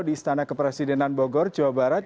di istana kepresidenan bogor jawa barat